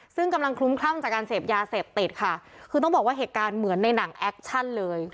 ซึ่งกำลังคลุ้มคลั่งจากการเสพยาเสพติดค่ะคือต้องบอกว่าเหตุการณ์เหมือนในหนังแอคชั่นเลย